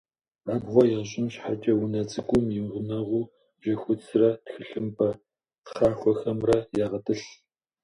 Абгъуэ ящӏын щхьэкӏэ унэ цӏыкӏум и гъунэгъуу бжьэхуцрэ тхылъымпӏэ тхъахуэхэмрэ ягъэтӏылъ.